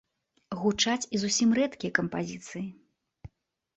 Гучаць і зусім рэдкія кампазіцыі.